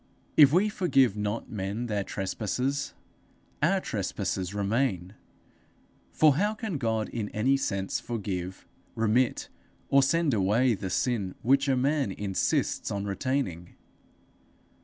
If we forgive not men their trespasses, our trespasses remain. For how can God in any sense forgive, remit, or send away the sin which a man insists on retaining?